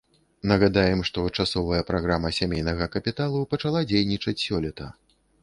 Нагадаем, што часовая праграма сямейнага капіталу пачала дзейнічаць сёлета.